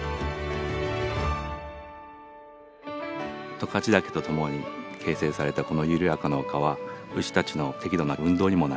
十勝岳とともに形成されたこの緩やかな丘は牛たちの適度な運動にもなって